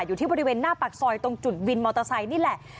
อยู่ที่บริเวณหน้าปากซอยตรงจุดวินมอเตอร์ไซค์นี่แหละ